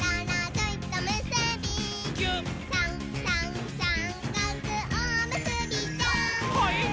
「さんさんさんかくおむすびちゃん」はいっ！